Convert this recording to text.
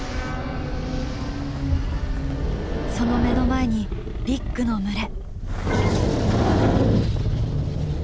その目の前にビッグの群れ。